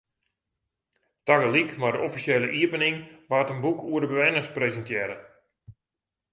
Tagelyk mei de offisjele iepening waard in boek oer de bewenners presintearre.